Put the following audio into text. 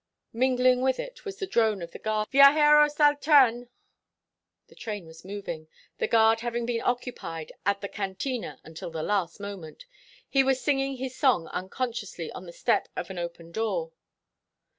Mingling with it was the drone of the guard: "Viajeros al tren!" The train was moving, the guard having been occupied at the cantina until the last moment. He was singing his song unconsciously on the step of an open door.